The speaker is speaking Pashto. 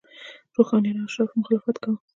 روحانینو او اشرافو یې مخالفت کاوه.